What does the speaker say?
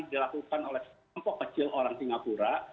dilakukan oleh kelompok kecil orang singapura